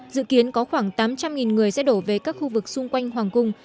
dự kiến có khoảng tám trăm linh người sẽ đổ về các khu vực xung quanh hoàng cung